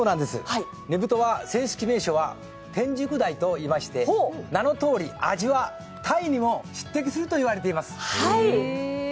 ねぶとの正式名称はテンジクダイといいまして、名のとおり味は鯛にも匹敵するといわれています。